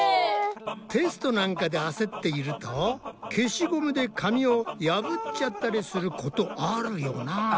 テストなんかで焦っていると消しゴムで紙を破っちゃったりすることあるよな。